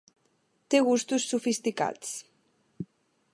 Té gustos sofisticats.